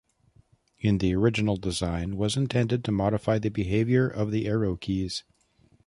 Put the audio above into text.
In the original design, was intended to modify the behavior of the arrow keys.